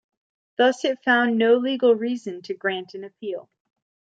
Thus it found no legal reason to grant an appeal.